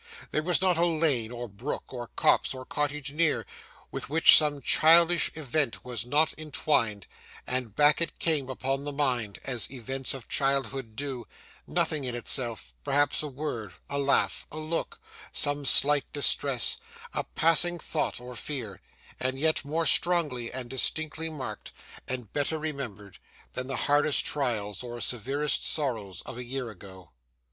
There was not a lane, or brook, or copse, or cottage near, with which some childish event was not entwined, and back it came upon the mind as events of childhood do nothing in itself: perhaps a word, a laugh, a look, some slight distress, a passing thought or fear: and yet more strongly and distinctly marked, and better remembered, than the hardest trials or severest sorrows of a year ago.